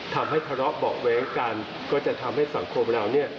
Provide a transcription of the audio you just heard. ทะเลาะเบาะแว้งกันก็จะทำให้สังคมเราเนี่ย